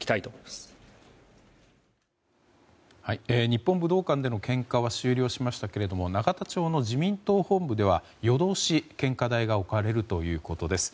日本武道館での献花は終了しましたけど永田町の自民党本部では夜通し、献花台が置かれるということです。